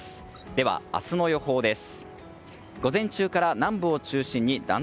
では、明日の予報です。